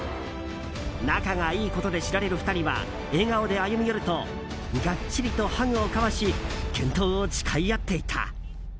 仲がいいことで知られる２人は笑顔で歩み寄るとがっちりとハグを交わし健闘を誓い合っていた。